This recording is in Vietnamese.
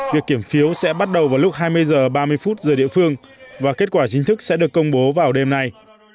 việc kiểm phiếu sẽ bắt đầu vào lúc hai mươi h ba mươi giờ địa phương và kết quả chính thức sẽ được công bố vào đêm nay